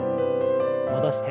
戻して。